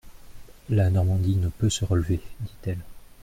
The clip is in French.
La Normandie ne peut se relever, dit-elle.